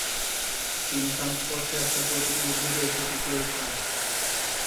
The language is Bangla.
তিনি সংস্পর্শে আসা প্রতিটি উদ্ভিদে সেটি প্রয়োগ করেন।